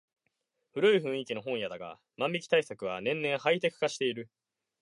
古い雰囲気の本屋だが万引き対策は年々ハイテク化している